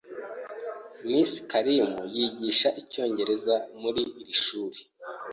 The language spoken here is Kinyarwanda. Miss Karimu yigisha icyongereza muri iri shuri.